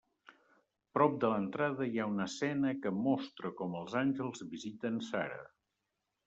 Prop de l'entrada hi ha una escena que mostra com els àngels visiten Sara.